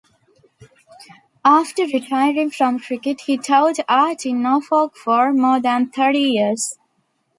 After retiring from cricket he taught art in Norfolk for more than thirty years.